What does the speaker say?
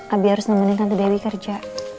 abi harus nemenin tante dewi kerja